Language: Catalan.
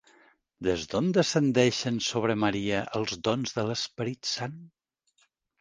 Des d'on descendeixen sobre Maria els dons de l'Esperit Sant?